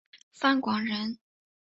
范广人。